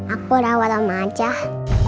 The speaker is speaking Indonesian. aku rawat sama acah